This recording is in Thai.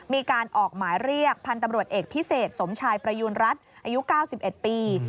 มีการออกหมายเรียกพันธุ์ตำรวจเอกพิเศษสมชายประยูณรัฐอายุ๙๑ปี